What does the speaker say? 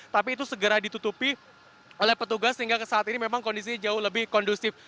tapi itu segera ditutupi oleh petugas sehingga saat ini memang kondisinya jauh lebih kondusif